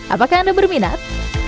apakah anda berminat